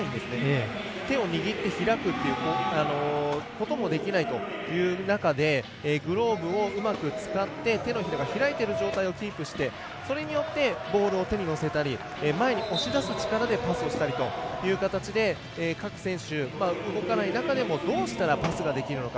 手を握って開くということもできないという中でグローブをうまく使って手のひらが開いている状態をキープしてそれによってボールを手に乗せたり前に押し出す力でパスをしたりと各選手、動かない中でもどうしたらパスができるのか。